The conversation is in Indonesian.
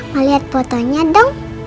mau lihat fotonya dong